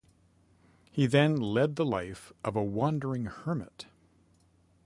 He then led the life of a wandering hermit.